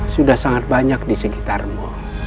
sudah sangat banyak di sekitarmu